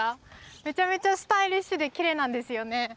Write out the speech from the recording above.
めちゃめちゃスタイリッシュできれいなんですよね。